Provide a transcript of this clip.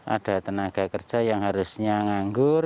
ada tenaga kerja yang harusnya nganggur